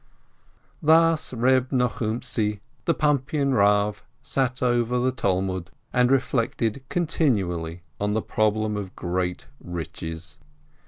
Thus Eeb Nochumtzi, the Pumpian Rav, sat over the Talmud and reflected continually on the problem of great riches.